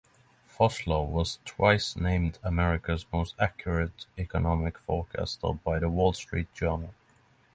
Fosler was twice named America's most accurate economic forecaster by The Wall Street Journal.